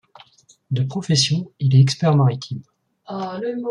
De profession, il est expert maritime.